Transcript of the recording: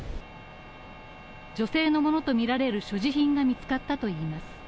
女性のものとみられる所持品が見つかったといいます。